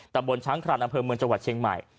ตำบลช้างคลานอำเภอเมืองจังหวัดเชียงใหม่